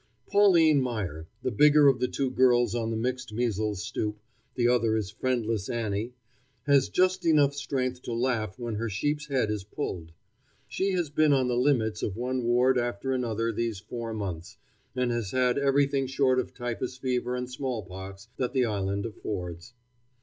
Pauline Meyer, the bigger of the two girls on the mixed measles stoop, the other is friendless Annie, has just enough strength to laugh when her sheep's head is pulled. She has been on the limits of one ward after another these four months, and has had everything short of typhus fever and smallpox that the island affords.